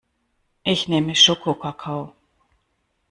Ich nehme Schokokakao.